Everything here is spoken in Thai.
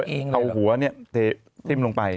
เอาหัวนี้เต้นลงไป